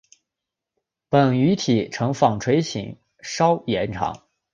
本鱼体成纺锤型稍延长。